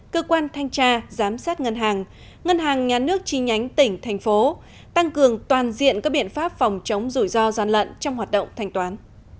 cơ quan thanh tra giám sát ngân hàng ngân hàng nhà nước chi nhánh tỉnh thành phố tăng cường toàn diện các biện pháp phòng chống rủi ro gian lận trong hoạt động thanh toán